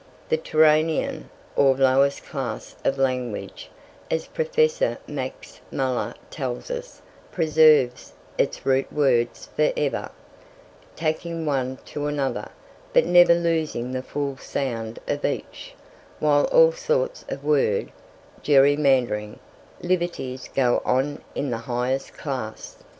The Turanian, or lowest class of language, as Professor Max Muller tells us, preserves its root words for ever, tacking one to another, but never losing the full sound of each; while all sorts of word "jerry mandering" liberties go on in the highest class.